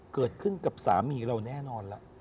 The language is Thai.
เกิดขึ้นกับสามีเราแน่นอนแล้ว